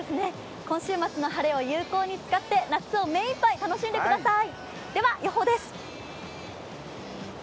今週末の晴れを有効に使って、夏を目いっぱい楽しんでください。